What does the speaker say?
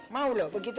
mau loh begitu